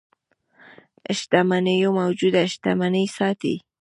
شتمنيو موجوده شتمني ساتي.